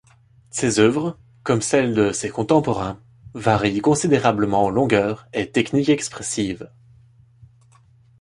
Ses œuvres, comme celles de ses contemporains, varient considérablement en longueur et technique expressive.